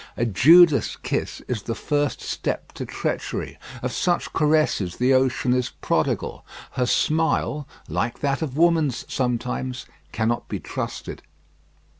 A Judas kiss is the first step to treachery; of such caresses the ocean is prodigal. Her smile, like that of woman's sometimes, cannot be trusted.